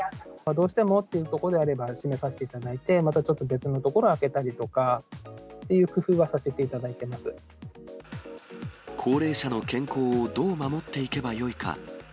どうしてもっていうところであれば、閉めさせていただいて、またちょっと別の所を開けたりとかっていう工夫はさせていただい高齢者の健康をどう守っていけばよいか。